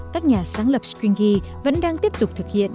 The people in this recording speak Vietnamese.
các nhà sáng lập stringy vẫn đang tiếp tục thực hiện